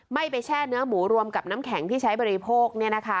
ไม่ไปแช่เนื้อหมูรวมกับน้ำแข็งที่ใช้บริโภค